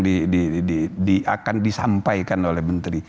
akan disampaikan oleh menteri